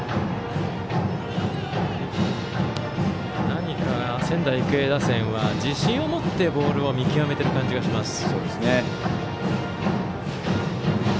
何か、仙台育英打線は自信を持ってボールを見極めている感じがします。